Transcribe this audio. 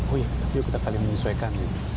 oh iya kita saling menyesuaikan